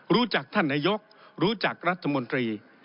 รู้จักท่านนายกรู้จักรัฐมนตรี